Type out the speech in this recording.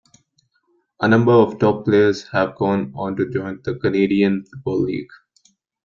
A number of top players have gone on to join the Canadian Football League.